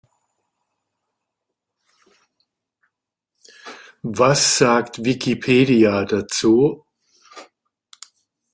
Was sagt Wikipedia dazu?